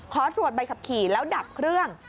ขอตรวจใบขับขี่แล้วดับเครื่อง